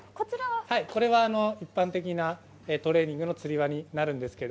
一般的なトレーニングのつり輪になります。